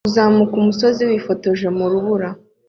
Uzamuka umusozi wifotoje mu rubura